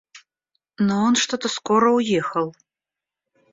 Но он что-то скоро уехал.